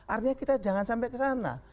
artinya kita jangan sampai ke sana